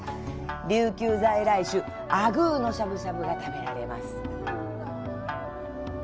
琉球在来種・アグーのしゃぶしゃぶが食べられます。